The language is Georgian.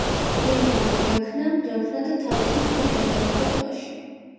იავნანამ რა ქნა რა ქნა და თავისი შვილი გადააგდო ტბაში